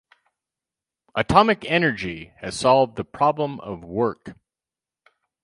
Atomic energy has solved the problem of work.